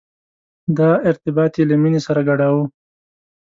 دا ارتباط یې له مینې سره ګډاوه.